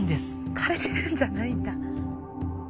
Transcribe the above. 枯れてるんじゃないんだ。